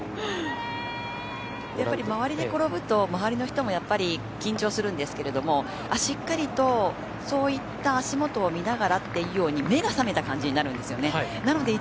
やっぱり周りで転ぶと周りの人も緊張するんですけどしっかりとそういった足元を見ながらというように目が覚めた感じになるんですよね。